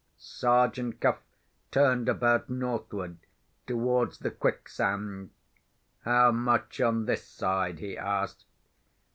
Sergeant Cuff turned about northward, towards the quicksand. "How much on this side?" he asked.